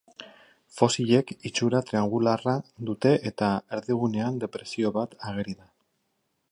Fosilek itxura triangeluarra dute eta erdigunean depresio bat ageri da.